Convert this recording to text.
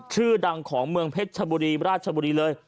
ชื่อดังของเมืองเพชรชบุรีราชบุรีเลย